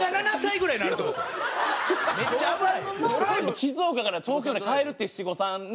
静岡から東京まで帰るっていう七五三ね。